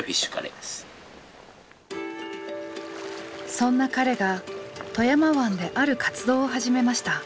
そんな彼が富山湾である活動を始めました。